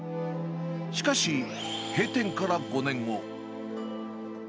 しかし、閉店から５年後。